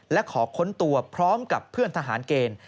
และขอค้นตัวพร้อมกับเพื่อนทหารเกณฑ์